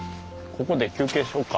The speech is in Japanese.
ここで休憩しようか？